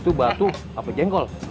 itu batu apa jengkol